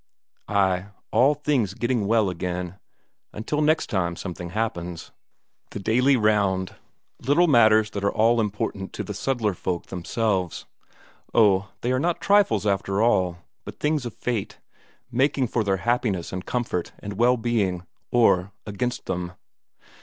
Ay, all things getting well again until next time something happens. The daily round; little matters that are all important to the settler folk themselves. Oh, they are not trifles after all, but things of fate, making for their happiness and comfort and well being, or against them.